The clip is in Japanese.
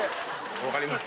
わかります